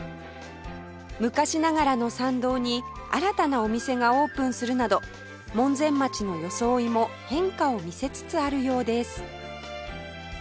昔ながらの参道に新たなお店がオープンするなど門前町の装いも変化を見せつつあるようです